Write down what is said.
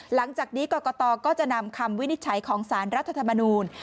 หลังจากนี้กรกตก็จะนำคำวินิจฉัยของสารรัฐธรรมนูล